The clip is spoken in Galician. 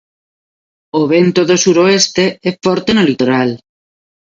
O vento do suroeste é forte no litoral.